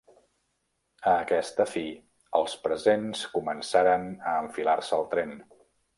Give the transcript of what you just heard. A aquesta fi, els presents començaren a enfilar-se al tren.